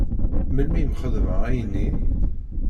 Melmi i m-xedmeɣ ayenni?